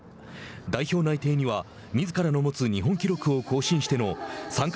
代表内定にはみずからの持つ日本記録を更新しての参加